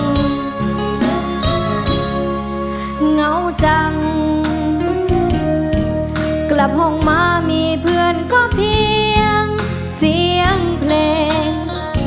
เหงาจังกลับห้องมามีเพื่อนก็เพียงเสียงเพลง